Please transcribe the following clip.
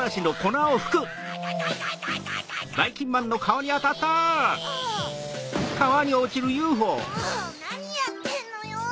なにやってんのよ！